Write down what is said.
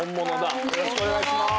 よろしくお願いします。